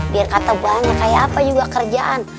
biar kata banyak kayak apa juga kerjaan